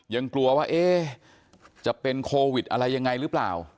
ยังกลัวว่าจะเป็นโควิดอะไรยังไงหรือเปล่า